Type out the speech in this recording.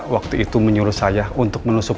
waktu itu menyuruh saya untuk menusuk